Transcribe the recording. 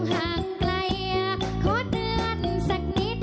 น้ำตาตกโคให้มีโชคเมียรสิเราเคยคบกันเหอะน้ำตาตกโคให้มีโชค